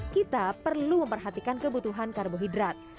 kita perlu memperhatikan kebutuhan karbohidrat